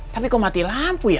tapi kok mati lampu ya